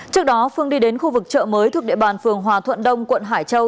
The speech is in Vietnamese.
trước đó phương đi đến khu vực chợ mới thuộc địa bàn phường hòa thuận đông quận hải châu